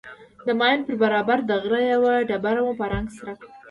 د ماين پر برابر د غره يوه ډبره مو په رنگ سره کړه.